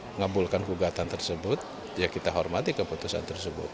mengabulkan gugatan tersebut ya kita hormati keputusan tersebut